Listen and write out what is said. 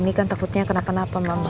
dan seperti ini kan takutnya kenapa napa mama